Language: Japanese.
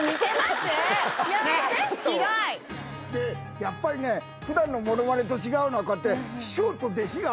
やっぱりね普段のモノマネと違うのはこうやって。